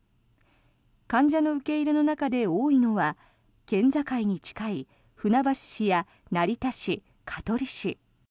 患者の受け入れの中で多いのは県境に近い船橋市や成田市、香取市。